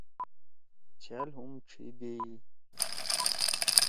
چھأل ہُم ڇھی دیئی۔